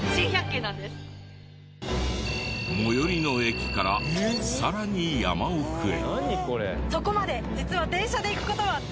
最寄りの駅からさらに山奥へ。